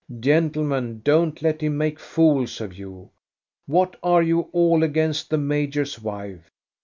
"Gentle men, don't let him make fools of you! What are you all against the major's wife?